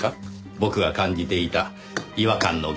僕が感じていた違和感の原因です。